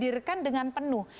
dihadirkan dengan penuh